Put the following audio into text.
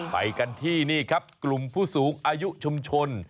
ไปกันที่นี่ครับกลุ่มผู้สูงอายุชุมชน